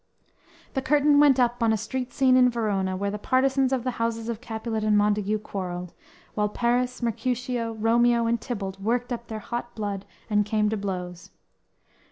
The curtain went up on a street scene in Verona, where the partisans of the houses of Capulet and Montague quarreled, while Paris, Mercutio, Romeo and Tybalt worked up their hot blood and came to blows.